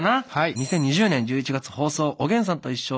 ２０２０年１１月放送「おげんさんといっしょ」